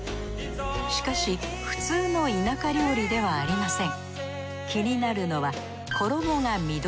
しかし普通の田舎料理ではありません。